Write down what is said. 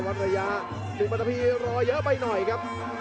๑ปันตพีรอเยอะไปหน่อยครับ